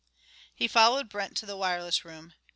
He followed Brent to the wireless room.